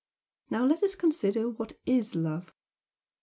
Now let us consider what IS love?